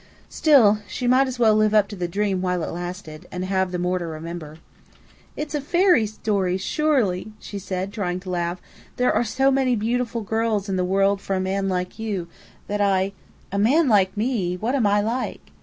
Still, she might as well live up to the dream while it lasted, and have the more to remember. "It's a fairy story, surely!" she said, trying to laugh. "There are so many beautiful girls in the world for a man like you, that I " "A man like me! What am I like?"